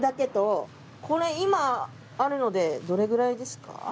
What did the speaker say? これ今あるのでどれぐらいですか？